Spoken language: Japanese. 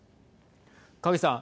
影さん。